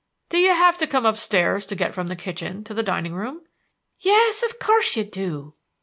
"Do you have to come upstairs to get from the kitchen to the dining room?" "Yes, of course you do!"